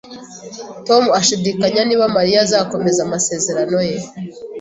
Tom ashidikanya niba Mariya azakomeza amasezerano ye